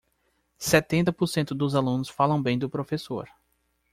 Setenta por cento dos alunos falam bem do professor.